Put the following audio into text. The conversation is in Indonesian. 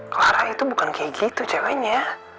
clara itu bukan kayak gitu ceweknya